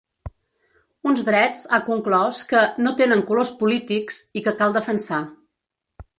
Uns drets, ha conclòs, que ‘no tenen colors polítics’ i que cal defensar.